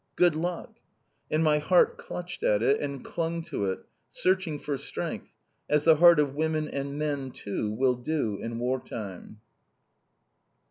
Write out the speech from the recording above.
"Good luck!" And my heart clutched at it, and clung to it, searching for strength, as the heart of women and men too will do in war time!